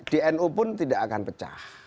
dnu pun tidak akan pecah